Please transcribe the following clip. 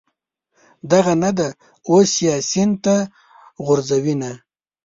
دغه نه ده، اوس یې سین ته غورځوینه.